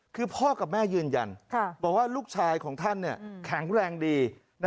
คือพ่อกับแม่ยืนยันบอกว่าลูกชายของท่านแข็งแรงดี